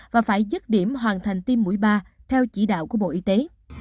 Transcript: và phải dứt điểm hoàn thành tiêm mũi ba theo chỉ đạo của bộ y tế